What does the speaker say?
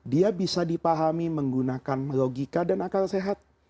dia bisa dipahami menggunakan logika dan akal sehat